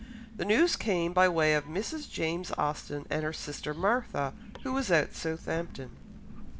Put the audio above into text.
The news came by way of Mrs. James Austen and her sister Martha, who was at Southampton.